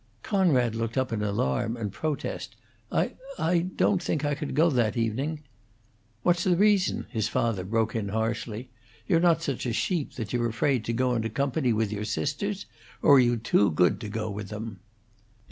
Conrad looked up in alarm and protest. "I I don't think I could go that evening " "What's the reason?" his father broke in, harshly. "You're not such a sheep that you're afraid to go into company with your sisters? Or are you too good to go with them?"